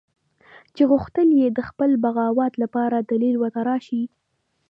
چې غوښتل یې د خپل بغاوت لپاره دلیل وتراشي.